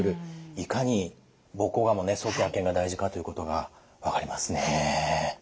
いかに膀胱がんも早期発見が大事かということが分かりますね。